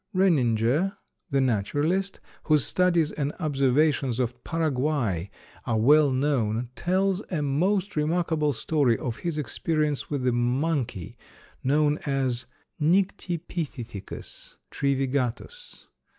Renninger, the naturalist, whose studies and observations of Paraguay are well known, tells a most remarkable story of his experience with the monkey known as Nyctipithithecus trivigatus.